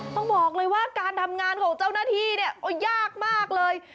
ต้องบอกเลยว่าการทำงานของเจ้าหน้าที่เนี่ยก็ยากมากเลย